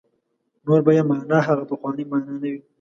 نور به یې معنا هغه پخوانۍ معنا نه وي.